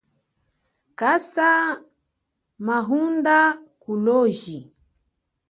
Kasa mahunda kuloji.